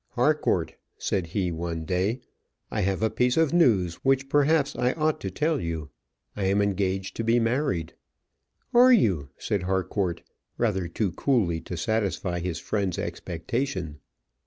"Harcourt," said he, one day. "I have a piece of news which perhaps I ought to tell you. I am engaged to be married." "Are you?" said Harcourt, rather too coolly to satisfy his friend's expectation.